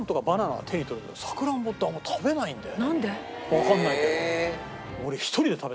わかんないけど。